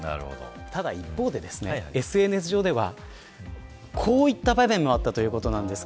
ただ一方で、ＳＮＳ上ではこういった場面もあったということです。